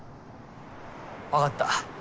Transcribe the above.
分かった。